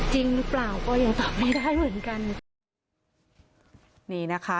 จริงหรือเปล่าก็ยังตอบไม่ได้เหมือนกันนี่นะคะ